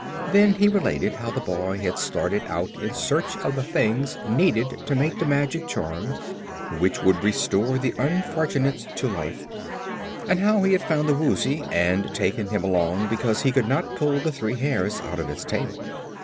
Then he related how the boy had started out in search of the things needed to make the magic charm, which would restore the unfortunates to life, and how he had found the Woozy and taken him along because he could not pull the three hairs out of its tail.